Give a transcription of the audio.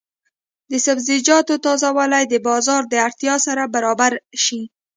د سبزیجاتو تازه والي د بازار د اړتیا سره برابر شي.